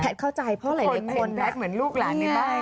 แพทย์เข้าใจเพราะหลายคนทุกคนเห็นแพทย์เหมือนลูกหลานในบ้าน